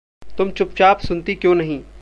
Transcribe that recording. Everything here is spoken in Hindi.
तुम चुपचाप सुनती क्यों नहीं?